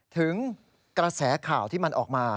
ถึงกระแสข่าวที่มันออกมา